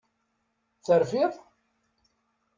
Terfiḍ?